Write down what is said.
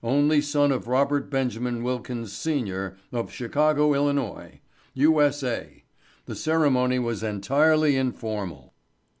only son of Robert Benjamin Wilkins, Sr., of Chicago, Ill., U.S.A. The ceremony was entirely informal.